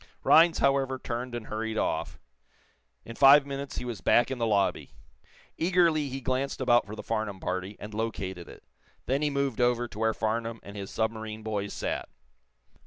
Rhinds, however, turned and hurried off. In five minutes he was back in the lobby. Eagerly he glanced about for the Farnum party, and located it. Then he moved over to where Farnum and his submarine boys sat.